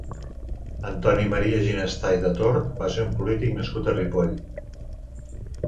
Antoni Maria Ginestà i de Tort va ser un polític nascut a Ripoll.